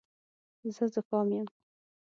زه زکام یم.